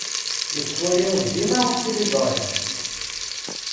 Nettwali dima tiliẓṛi.